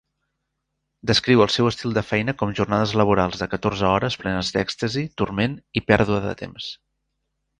Descriu el seu estil de feina com jornades laborals de catorze hores plenes d'èxtasi, turment i pèrdua de temps.